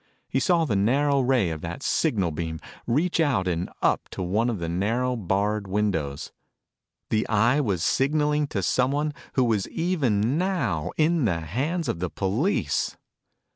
He saw the narrow ray of that signal beam reach out and up to one of the narrow, barred windows. The Eye was signaling to someone who was even now in the hands of the police!